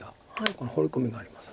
ここのホウリ込みがあります。